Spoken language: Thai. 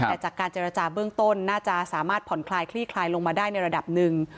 แต่จากการเจรจาเบื้องต้นน่าจะสามารถผ่อนคลายคลี่คลายลงมาได้ในระดับหนึ่ง